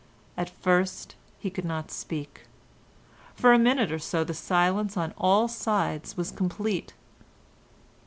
At first he could not speak. For a minute or so the silence on all sides was complete.